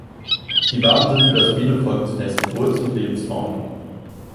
Die Waben sind für das Bienenvolk zunächst Geburts- und Lebensraum.